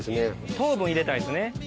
糖分入れたいですね。